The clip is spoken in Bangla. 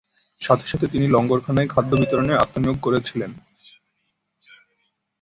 সাথে সাথে তিনি লঙ্গরখানায় খাদ্য বিতরণে আত্মনিয়োগ করেছিলেন।